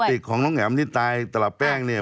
นี่ฤทธิติของน้องแหมนที่ตายตลาดแป้งเนี่ย